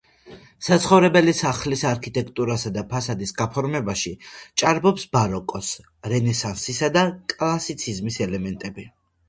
საცხოვრებელი სახლის არქიტექტურასა და ფასადის გაფორმებაში ჭარბობს ბაროკოს, რენესანსისა და კლასიციზმის ელემენტები.